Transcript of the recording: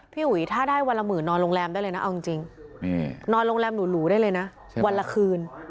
อุ๋ยถ้าได้วันละหมื่นนอนโรงแรมได้เลยนะเอาจริงนอนโรงแรมหรูได้เลยนะวันละคืน